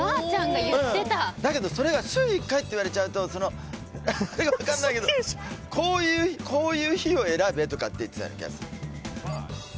だけどそれが週一回って言われちゃうとあれが分かんないけどこういう日を選べとかって言ってた気がする。